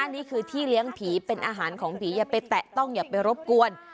นี่คือที่เลี้ยงผีเป็นอาหารของผีอย่าไปแตะต้องอย่าไปรบกวน